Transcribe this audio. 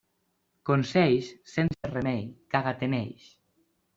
Consells sense remei, caga't en ells.